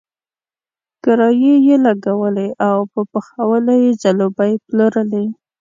کرایي یې لګولی او په پخولو یې ځلوبۍ پلورلې.